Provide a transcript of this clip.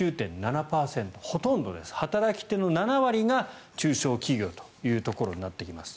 ほとんどです、働き手の７割が中小企業というところになってきます。